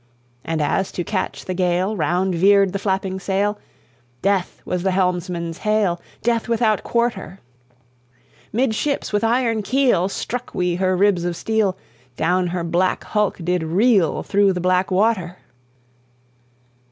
"And as to catch the gale Round veered the flapping sail, 'Death!' was the helmsman's hail, 'Death without quarter!' Midships with iron keel Struck we her ribs of steel; Down her black hulk did reel Through the black water!